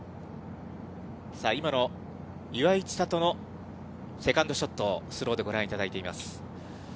今の岩井千怜のセカンドショットをスローでご覧いただいています。